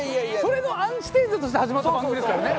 それのアンチテーゼとして始まった番組ですからね。